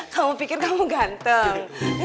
kamu pikir kamu ganteng